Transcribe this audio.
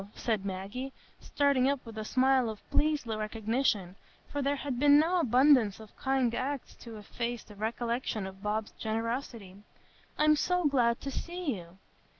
said Maggie, starting up with a smile of pleased recognition, for there had been no abundance of kind acts to efface the recollection of Bob's generosity; "I'm so glad to see you."